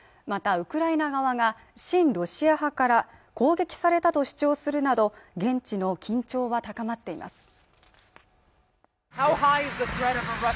またウクライナ側が親ロシア派から攻撃されたと主張するなど現地の緊張は高まっています